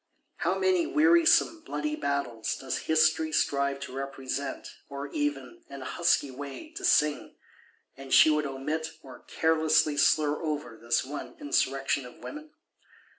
How many wearisome bloody Battles does History strive to represent; or even, in a husky way, to sing:—and she would omit or carelessly slur over this one Insurrection of Women?